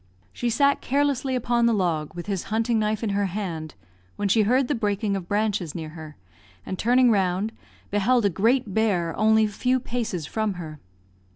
She sat carelessly upon the log with his hunting knife in her hand, when she heard the breaking of branches near her, and turning round, beheld a great bear only a few paces from her.